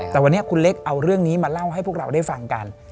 แต่วันนี้คุณเล็กเอาเรื่องนี้มาเล่าให้พวกเราได้ฟังกัน